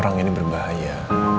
orang ini berbahaya